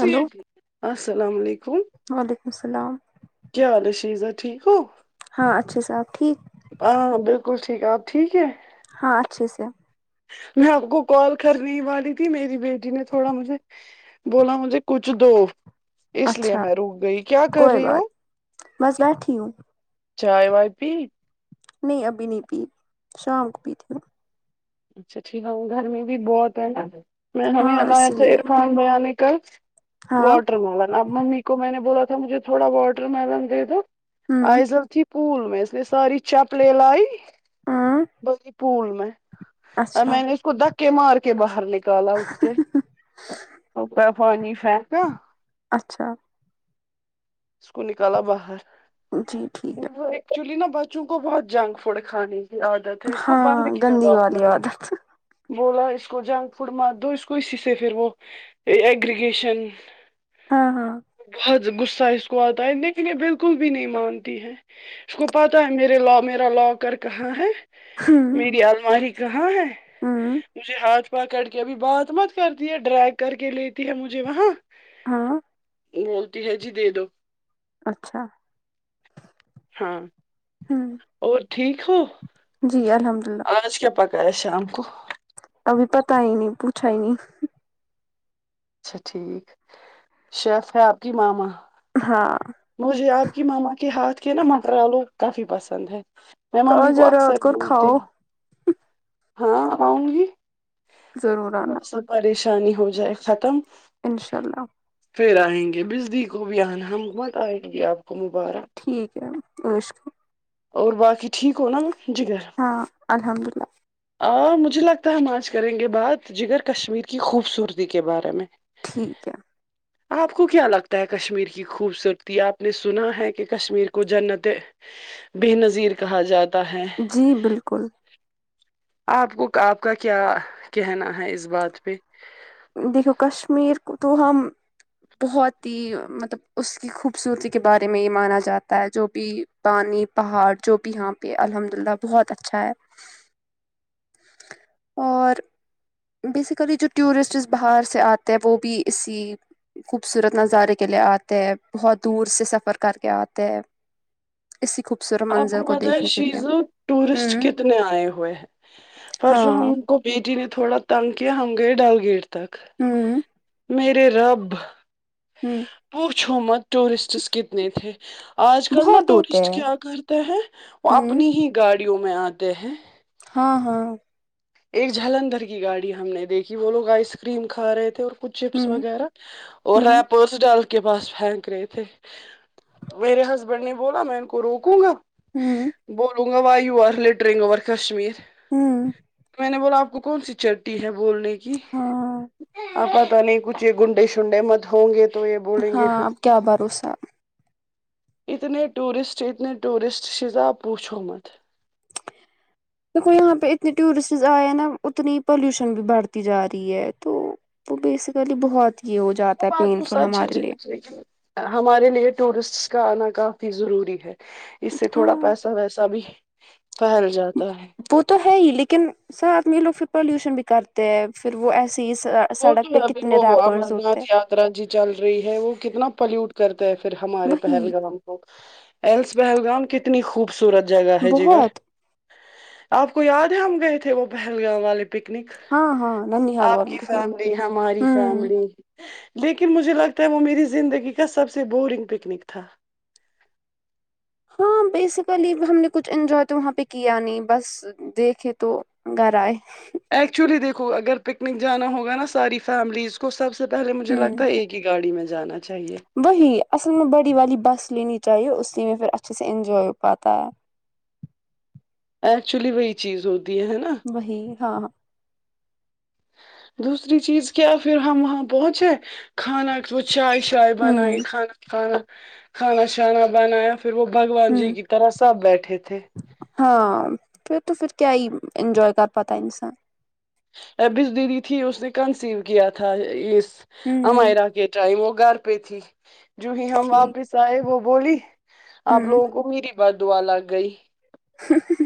hello السلام علیکم وعلیکم السلام کیا حال ہے شیزہ ٹھیک ہو ہاں اچھے سب ٹھیک ہاں بالکل ٹھیک آپ ٹھیک ہے ہاں اچھے سے میں آپ کو کال کر نےہں والی تھی میری بیٹی نے تھوڑا مجھے بولا مجھے کچھ دو اس لیے اچھا میں رک گئی کیا کر کوئی رہی ہو بات بس بیٹھی ہوں چائے وائے پی نہیں ابھی نہیں پی شام کو پی تھی اچھا ٹھیک ہے ہوں گھر میں بھی بہت ہے میں ہاں ہمیں اسی لیے عرفان [unintelligible] ہاں واٹر ملن اب ممی کو میں نے بولا تھا مجھے تھوڑا واٹر ملن دے دو ہوں آئیز ت پول میں اس نے ساری چپلیں لائی ہوں بڑی پول میں ا اچھا میں نے اس کو دھکے مار کے باہر نکالا اسے پانی پھیکنا اچھا اسکو نکالا باہر جی ٹھیک ہے ایکچولی نا بچوں کو بہت جنک فوڈ کھانے کی عادت ہے اس کو بند ہاں کیا گندی ڈاکٹر والی نے عادت بولا اس کو جنک فوڈ مت دو اس کو اسی سے پھر وہ ایگریگیشن ہاں ہاں بہت غصہ اس کو آتا ہے لیکن یہ بالکل بھی نہیں مانتی ہے اس کو پتاہ ہے میرے لا میرا لاکر کہاں ہے ہوں میری الماری کہاں ہے ہوں مجھے ہاتھ پکڑ کے بھی بہت مت کرتی ہے ڈرگ کر کے لیتی ہے مجھے وہاں ہاں بولتی ہے جی دے دو اچھا ہاں ہوں اور ٹھیک ہو جی الحمد للہ آج کیا پکایا شام کو ابھی پتا ہی نہیں پوچھا ہی نہیں اچھا ٹھیک شیف ہے آپ کی ماما ہاں مجھے آپ کی ماما کے ہاتھ کے نا مٹر آلو کافی پسند ہے میں تو آ مممی کو ضرورت اکثر بولتی کھاؤ ہاں آؤں گی ضرور آنا سب پریشانی ہو جائے ختم انشاء اللہ پھر آئیں گے [unintelligible] آئیں گی آپ کو مبارک ٹھیک ہے عیش کر اور باقی ٹھیک ہونا جگر ہاں الحمد للہ آ مجھے لگتا ہے ہم آج کریں گے بات جگر کشمیر کی خوبصورتی کے بارے میں ٹھیک ہے آپ کو کیا لگتا ہے کشمیر کی خوبصورتی آپ نے سنا ہے کہ کشمیر کو جنت ببے نظیر کہا جاتا ہے جی بالکل آپ کو کا آپ کیا کہنا ہے اس بات پہ دیکھو کشمیر کو تو ہم بہت ہی مطلب اس کی خوبصورتی کے بارے میں یہ مانا جاتا ہے جو بھی پانی پہاڑ جو بھی یہاں پہ الحمد للہ بہت اچھا ہے اور بیسیکلی جو ٹورسٹ جس باہر سے آتے ہیں وہ بھی اسی خوبصورت نظارے کے لیے آتے ہے بہت دور سے سفر کر کے آتے ہیں اسی خوبصورت آپ منظر کو پتہ ہے دیکھنے کے لیے شیزہ ٹورسٹ ہوں کتنے آئے ہوئے ہیں پرسوں ہاں ہم کو بیٹی نے تھوڑا تنگ کیا ہم گئے ڈل لیک تک ہوں میرے رب ہوں پوچھو مت ٹورسٹس کتنے تھے آج کل نا بہت ہوتے ٹورسٹ ہیں کیا کرتے ہیں وہ ہوں اپنی ہی گاڑیوں میں آتے ہیں ہاں ہاں ایک جالندھر کی گاڑی ہم نے دیکھی وہ لوگ آئس کریم کھا رہے تھے اور کچھ چپس ہوں وغیرہ اور ہوں رایپ ڈل کے پاس پھینک رہے تھے میرے ہسبینڈ نے بولا میں ان کو روکوں گا ہوں بولوں گا why you are littering over Kashmir ہاں میں نے بولا آپ کو کون سی چٹی ہے بولنے کی ہاں آپ پتا نہیں کچھ یہ گنڈے شنڈے مت ہوں گے تو یہ بولیں گے پھر ہاں اب کیا بھروسہ اتنے ٹورسٹ اتنے ٹورسٹ شیزہ پوچھو مت دیکھو یہاں پہ اتنے ٹورسٹسس آئے ہے نا اتنی پالوشن بھی بڑھتی جا رہی ہے تو وہ بیسیکلی بہت ہی ہو جاتا ہے پین فل ہمارے لیے [unintelligible] ہمارے لیے ٹورسٹس کا آنا کافی ضروری ہے اس سے تھوڑا ہاں پیسہ ویسا بھی پھیل جاتا ہے وہ تو ہے ہی لیکن سب آدمی لوگ پھر پالوشن بھی کرتے ہیں پھر وہ ایسی ہی وہ جو سڑک پہ ہے ابھی کتنے وہ امر ریپرز ناتھ ہوتے یاترا جو جی چل رہی ہے وہ کتنا پلیوٹ کرتا ہے پھر ہمارے وہی پہلگام ایلس پہلگام کتنی خوبصورت جگہ ہے جگر بہت آپ کو یاد ہے ہم گئے تھے وہ پہلگام والے پکنک ہاں ہاں ننیحال آپ والوں کی کے ساتھ فیملی ہماری ہوں فیملی لیکن مجھے لگتا ہے وہ میری زندگی کا سب سے بورنگ پکنک تھا ہاں بیسیکلی ہم نے کچھ انجوائے تو وہاں پہ کیا نہیں بس دیکھے تو گھر آئے ایکچولی دیکھو اگر پکنک جانا ہوگا نا ساری فیملیز کو سب سے پہلے مجھے ہوں لگتا ہے ایک کی گاڑی میں جانا چاہیے وہی اصل میں بڑی والی بس لینی چاہیے اسی میں پھر اچھے سے انجوائے ہو پاتا ہے ایکچولی وہی چیز ہوتی ہے ہے نا وہی ہاں ہاں دوسری چیز کیا پھر ہم وہاں پہنچے کھانا وہ چائے شائے بنائیں ہوں کھانا کھانا کھانا شانا بنائیا پھر وہ بھگوان جی ہوں کی طرح سب بیٹھے تھے ہاں پھر تو پھر کیا ہی انجوائے کر پتہ انسان ابز دیدی تھی اس نے کنسیو کیا تھا اس ہوں امئرا کے ٹائم وہ گھر پئے تھی جو ہی ہم ٹھیک واپس آئے وہ بولی آپ ہوں لوگوں کو میری بد دعا لگ گئی [inaudible]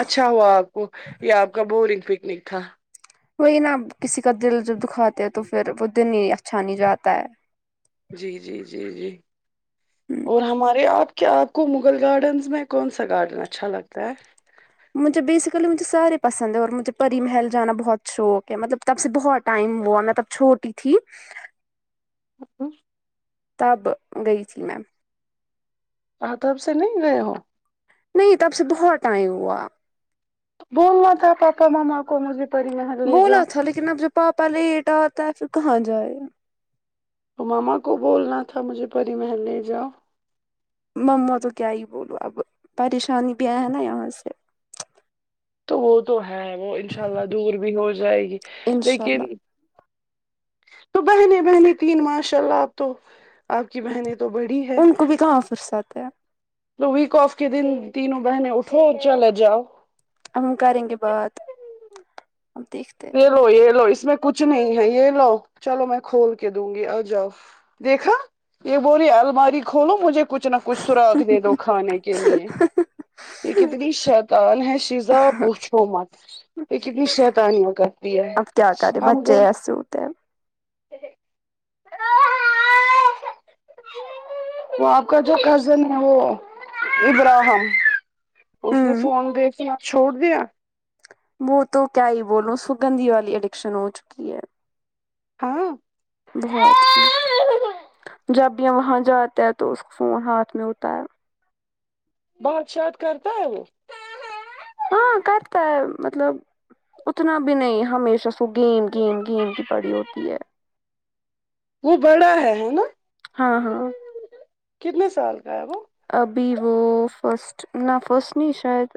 اچھا ہوا آپ کو یہ آپ کا بورنگ پکنک تھا وہی نا کسی کا دل جب دکھاتے ہے تو پھر وہ دن ہی اچھا نہیں جاتا ہے جی جی جی جی اور ہمارے آپ کیا آپ کو مغل گارڈنز میں کون سا گارڈن اچھا لگتا ہے مجھے بیسکلی مجھے سارے پسند ہیں اور مجھے بیسیکلی مجھے سارے پسند ہے اور پری محل جانا بہت شوق ہے مطلب تب سے بہت ٹائم ہوا میں تب چھوٹی تھی ا تب گئی تھی میم آ تب سے نہیں گئے ہو نہیں تب سے بہت ٹائم ہوا بولنا تھا پاپا ماما کو مجھے پری محل لے بولا جاؤ تھا لیکن اب جو پاپا لیٹ آتا ہے پھر کہاں جائے تو ماما کو بولنا تھا مجھے پری محل لے جاؤ مما تو کیا ہی بولو اب پریشانی بھی آیا نا یہاں سے تو وہ تو ہے وہ انشاء اللہ دور بھی ہو جائے گی انشاء لیکن اللہ تو بہنے بہنی تین ماشاء اللہ آپ تو آپ کی بہنیں تو بڑی ہے ان کو بھی کہاں فرست ہیں تو ویک آف کے دن تینوں بہنیں اٹھو چلے جاؤ ہم کرینگے بات ہیں یہ لو یہ لو اس میں کچھ نہیں ہے یہ لو چلو میں کھول کے دوں گی آ جاؤ دیکھا یہ بولی الماری کھولو مجھے کچھ نہ کچھ سراخ دے دو کھانے کے لیے یہ کتنی شیطان ہے شیزاں پوچھو مت یہ کتنی شیطان ہے اب کیا کرے ہم بچے تو ایسے ہوتےہیں وہ آپ کا جو کزن ہے وہ ابراہم اس نے ہوں فون دے کے آپ چھوڑ دیا وہ تو کیا ہی بولو سگندھی والی الیکشن ہو چکی ہے ہاں بہت جب وہاں جاتا ہے تو اس کو فون ہاتھ میں ہوتا ہے بات شات کرتا ہے وہ ہاں کرتا ہے مطلب اتنا بھی نہیں ہمیشہ سو گیم گیم گیم کی پڑی ہوتی ہے وہ بڑا ہے ہے نا ہاں ہاں کتنے سال کا ہے وہ ابھی وہ فسٹ نہ فسٹ نہیں شاید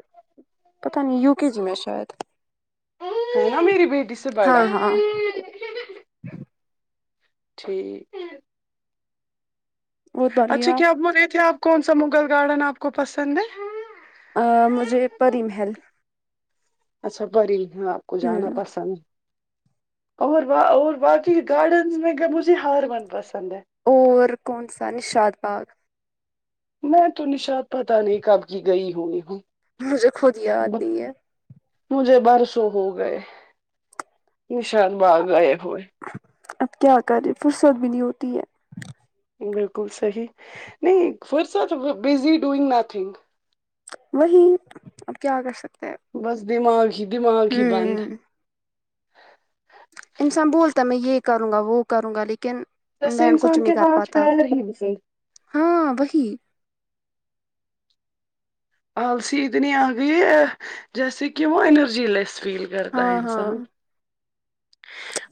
پتہ نہیں یوک جی میں شاید نا میری بیٹی سے بڑا ہاں ہاں ٹھیک وہ بولیے اچھا کیا آپ بول رہے تھے آپ کون سا مغل گارڈن آپ کو پسند ہے مجھے پری محل اچھا پری میں آپ کو جانا ہوں پسند ہے اور با اور باقی گارڈنز میں مجھے ہاروون پسند ہے اور کون سا نشاط باغ میں تو نشااد پتہ نہیں کب کی گئی ہوںی ہوں مجھے خود یاد نہی ہے مجھے برسوں ہو گئے نشان باغ گئے ہوئے اب کیا کرے فرصت بھی نہیں ہوتی ہے بالکل صحیح نہیں فرست بزی ڈوئنگ نتھنگ وہی اب کیا کر سکتے ہیں بس دماغ ہی دماغ ہی بند ہوں انسان بولتا ہے میں یہ کروں گا وہ کروں گا لیکن جیسے لین کچھ انسان کے نہیں کر ہاتھ پاتا پیر ہی بس ہاں وہی آلسی اتنی آ گئی ہے جیسے کہ وہ انرجی لیس فیل کرتا ہے ہاں ہاں انسان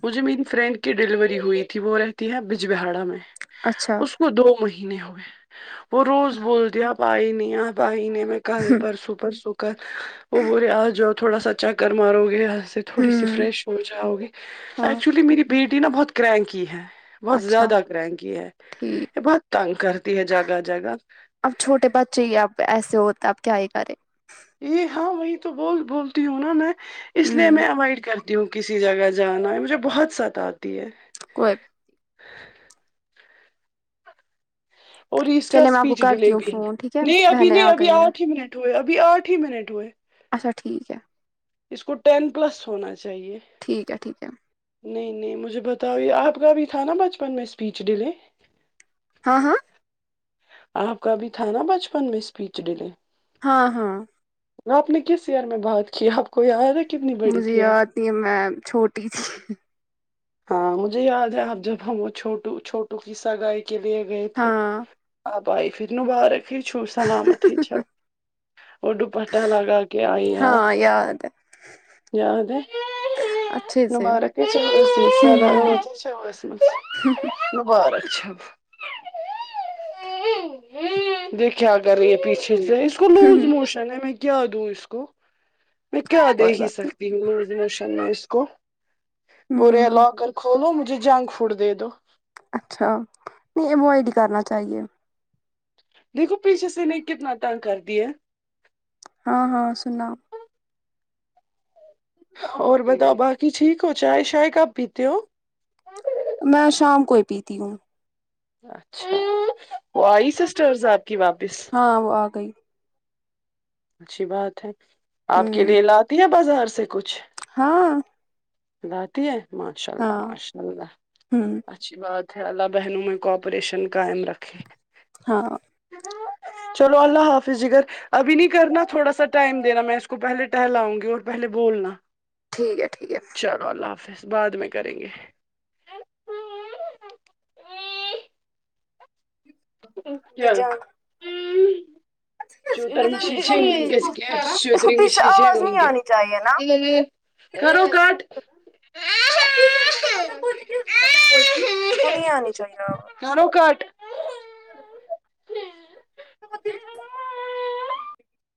مجھے میری فرینڈ کی ڈیلیوری ہوئی تھی وہ رہتی ہے بجبہواڑا میں اچھا وہ دو مہینے ہوئے وہ روز بولتی ہےآپ ائی نہیں آ پ ا ئی نہیں میں کل پرسو پرسو کر وہ بورے آ جاؤ تھوڑا سا چکر مارو گے یہاں سے تھوڑی سی ہوں فریش ہو جاؤ گے ہاں ایکچولی میری بیٹی نا بہت کرا نکی ہے بہت اچھا زیادہ کرا نکی ہے ٹھیک یہ بہت تنگ کرتی ہے جگہ جگہ اب چھوٹے بچے ہی اب ایسے ہوتے اب کیا ہی کریں یہ ہاں وہی تو بول بولتی ہوں نا میں اس لیے ہوں میں اوائڈ کرتی تی ہوں کسی جگہ جانا ہے مجھے بہت ستاتی ہے کوئی اور اس کا چلے میں آپ کو اسپیچ کرتی ڈیلے ہوں پھر فون ٹھیک ہے نہیں ابھی بہنیں نہیں آ ابھی گئی ہے آٹھ ہی منٹ ہوئے ابھی آٹھ ہی منٹ ہوئے اچھا ٹھیک ہے اس کو ٹین پلس ہونا چاہیے ٹھیک ہے ٹھیک ہے نہیں نہیں مجھے بتاؤ یہ آپ کا بھی تھا نا بچپن میں اسپیچ ڈیلے ہاں ہاں آپ کا بھی تھا نا بچپن میں اسپیچ ڈیلے ہاں ہاں آپ نے کس ایئر میں بات کیا آپ کو یاد ہے کی نہیں مجھے یاد نہیں میں چھوٹی تھی ہاں مجھے یاد ہے آپ جب ہم وہ چھوٹو چھوٹو کی سگائی کے لیے گئے تھے ہاں آپ آئی پھر مبارک [unintelligible] وہ ڈوپٹہ لگاکے آئی ہے ہاں یاد ہے یاد ہے [unintelligible] اچھے سے ہوں مبارک چھب دیکھ کیا کر رہی ہے پیچھے سے اس کو لوز ہوں، موشن پتا نہیں میں کیا دوں اس کو میں کیا دی کوئی ہی بات نہیں سکتی ہوں لوزموشن میں اس کو بول رہے ہے ہ لواکر کھولو مجھے جنک فوڈ دے دو اچھا نہیں ایوئیڈ ہی کرنا چاہیے دیکو پیچھ سے نہیں کتنا تنگ کرتی ہے ہاں ہاں سنا اور بتاؤ باقی ٹھیک ہو چائے شائے کب پیتے ہو میں شام کو ہی پیتی ہوں اچھا وہ آئی سسٹرس آپ کی واپس ہاں وہ آگئی اچھی بات ہے آپ ہوں کے لیے لاتی ہے بازار سے کچھ ہاں لاتے ہے ماشاء اللہ ہاں ماشاء اللہ ہوں اچھی بات ہے اللہ بہنوں میں کوپریشن قائم رکھے ہاں چلو اللہ حافظ جگر ابھی نہیں کرنا تھوڑا سا ٹائم دینا میں اس کو پہلے ٹہلاؤں گی اور پہلے بولنا ٹھیک ہے ٹھیک ہے چالو اللہ حافظ بعد میں کریں گے کیا ہے اس کو پیچھے آواز نہیں آنی چاہیے نا [unintelligible] کرو کٹ اسکو نہیں آنی چاہیے اور کرو کٹ [unintelligible]